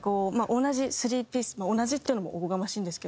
同じスリーピースの同じっていうのもおこがましいんですけど。